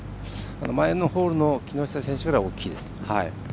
前のホールの木下選手よりは大きいです。